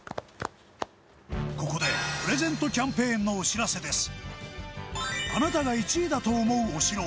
ここでプレゼントキャンペーンのお知らせです